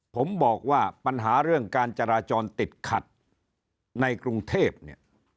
ผมบอกว่าปัญหาเรื่องการจราจรติดขัดในกรุงเทพเนี่ย